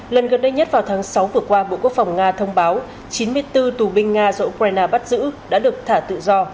lần gần đây nhất vào tháng sáu vừa qua bộ quốc phòng nga thông báo chín mươi bốn tù binh nga do ukraine bắt giữ đã được thả tự do